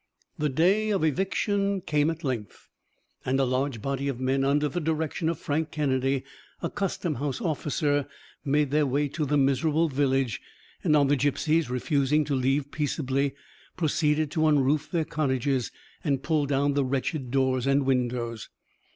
The day of eviction came at length, and a large body of men under the direction of Frank Kennedy, a custom house officer, made their way to the miserable village, and on the gipsies refusing to leave peaceably, proceeded to unroof their cottages and pull down the wretched doors and windows.